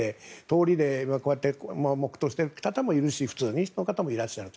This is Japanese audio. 通りで黙祷している方もいるし普通の方もいらっしゃる。